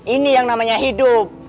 ini yang namanya hidup